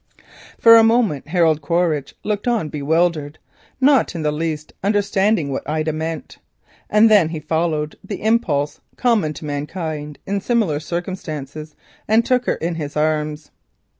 For a moment Harold Quaritch looked on bewildered, not in the least understanding what Ida meant, and then he followed the impulse common to mankind in similar circumstances and took her in his arms.